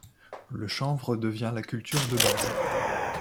Le chanvre devient la culture de base.